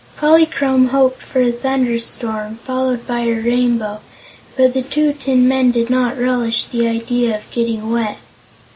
Polychrome hoped for a thunder storm, followed by her Rainbow, but the two tin men did not relish the idea of getting wet.